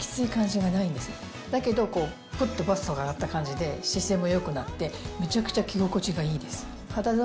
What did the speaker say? だけどクッとバストが上がった感じで姿勢も良くなってめちゃくちゃ着心地がいいです。